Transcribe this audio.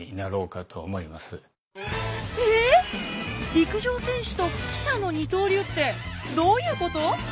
陸上選手と記者の二刀流ってどういうこと？